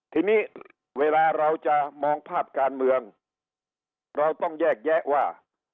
ทีนี้เวลาเราจะมองภาพการเมืองเราต้องแยกแยะว่า